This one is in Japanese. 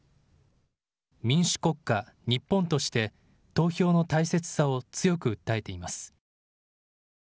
民主国家・日本として投票の大切さを強く訴えています。